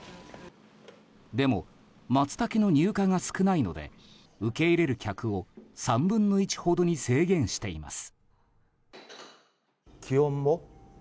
でもマツタケの入荷が少ないので受け入れる客を３分の１ほどに制限しています。